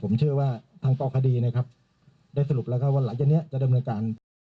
ผมเชื่อว่าทางตอบคดีนะครับได้สรุปแล้วค่ะวันหลังจากนี้จะเดิมกัน